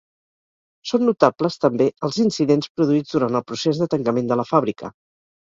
Són notables també els incidents produïts durant el procés de tancament de la fàbrica.